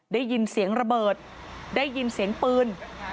ได้ยินเสียงระเบิดได้ยินเสียงปืน